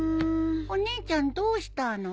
お姉ちゃんどうしたの？